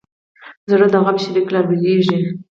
زړه د غم شګې رالوېږي.